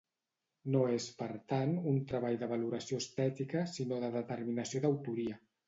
No és, per tant, un treball de valoració estètica, sinó de determinació d'autoria.